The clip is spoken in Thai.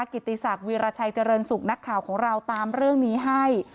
กิติศักดิราชัยเจริญสุขนักข่าวของเราตามเรื่องนี้ให้